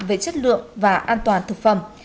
về chất lượng và an toàn thực phẩm